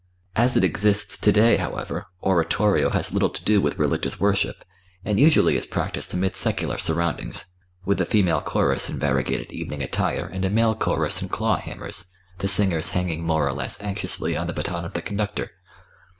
As it exists to day, however, oratorio has little to do with religious worship, and usually is practiced amid secular surroundings, with a female chorus in variegated evening attire and a male chorus in claw hammers, the singers hanging more or less anxiously on the baton of the conductor.